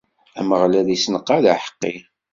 Ameɣlal issenqad aḥeqqi.